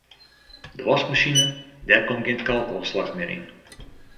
De waskmasine dêr komt gjin kalkoanslach mear yn.